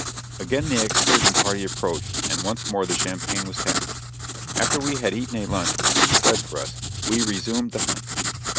Again the excursion party approached, and once more the champagne was tapped. After we had eaten a lunch which was spread for us, we resumed the hunt.